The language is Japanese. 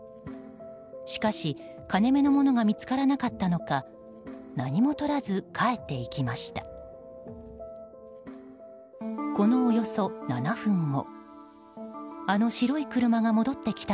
しかし、金目のものが見つからなかったのか何もとらず帰っていきました。